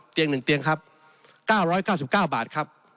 เตียง๑เตียงครับ๙๙๙บาทครับ